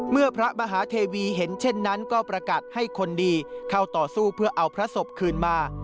เมื่อพระมหาเทวีเห็นเช่นนั้นก็ประกาศให้คนดีเข้าต่อสู้เพื่อเอาพระศพคืนมา